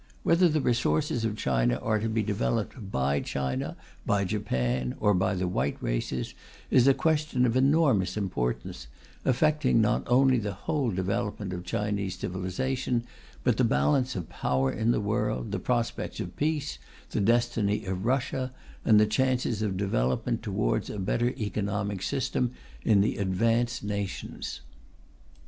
Whether the resources of China are to be developed by China, by Japan, or by the white races, is a question of enormous importance, affecting not only the whole development of Chinese civilization, but the balance of power in the world, the prospects of peace, the destiny of Russia, and the chances of development towards a better economic system in the advanced nations.